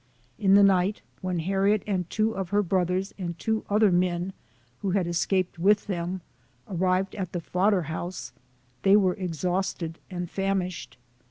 In the night, when Harriet and two of her brothers and two other men, who had escaped with them, arrived at the "fodder house," they were exhausted and famished.